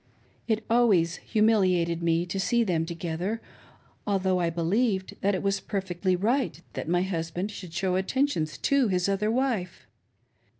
It always humiliated me to see them together, although I believed that it was perfectly right that my husband should show attentions to his other wife.